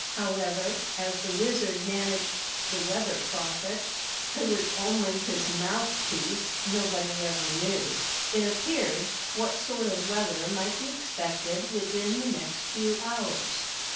However, as the Wizard managed the Weather Prophet, who was only his mouth piece, nobody ever knew, it appeared, what sort of weather might be expected within the next few hours.